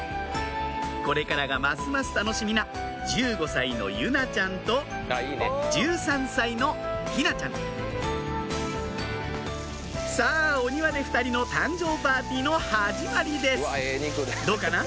これからがますます楽しみな１５歳の結菜ちゃんと１３歳の陽菜ちゃんさぁお庭で２人の誕生パーティーの始まりですどうかな？